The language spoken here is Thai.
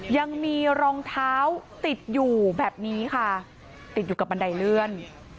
ยังมีรองเท้าติดอยู่แบบนี้ค่ะติดอยู่กับบันไดเลื่อน